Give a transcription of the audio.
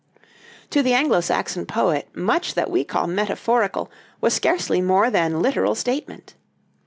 To the Anglo Saxon poet, much that we call metaphorical was scarcely more than literal statement.